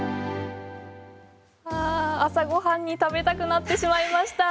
朝ご飯に食べたくなってしまいました。